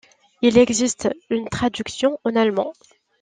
Il existe une traduction en allemand.